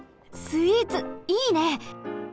スイーツいいね！